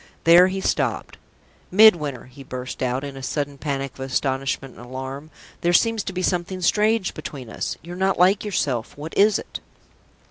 There he stopped. "Midwinter!" he burst out, in a sudden panic of astonishment and alarm, "there seems to be something strange between us! You're not like yourself. What is it?"